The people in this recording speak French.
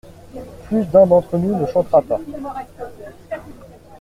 Plus d’un d’entre nous ne chantera pas.